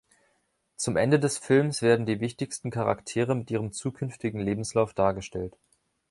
Zum Ende des Films werden die wichtigsten Charaktere mit ihrem zukünftigen Lebenslauf dargestellt.